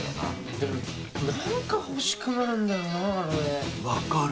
でも何か欲しくなるんだよなあの絵。分かる！